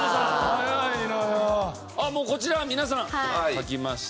もうこちらは皆さん書きました。